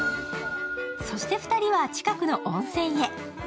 そして２人は近くの温泉へ。